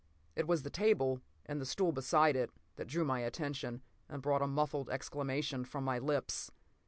p> It was the table, and the stool beside it, that drew my attention and brought a muffled exclamation from my lips.